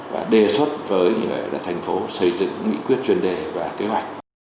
và đề xuất với thành phố xây dựng nghị quyết chuyên đề và kế hoạch